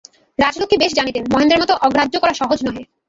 রাজলক্ষ্মী বেশ জানিতেন, মহেন্দ্রের মত অগ্রাহ্য করা সহজ নহে।